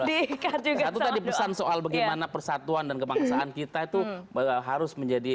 satu tadi pesan soal bagaimana persatuan dan kebangsaan kita itu harus menjadi